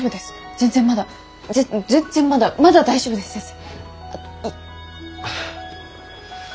全然まだまだ大丈夫です先生。